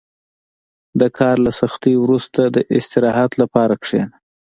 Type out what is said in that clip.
• د کار له سختۍ وروسته، د استراحت لپاره کښېنه.